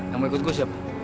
kamu ikut gue siap